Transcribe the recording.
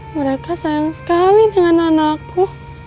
mereka sayang sekali dengan anakku